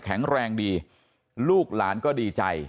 แข็งแรงดีลูกหลานก็ดีใจ